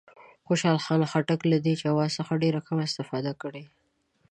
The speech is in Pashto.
خوشحال خان خټک له دې جواز څخه ډېره کمه استفاده کړې.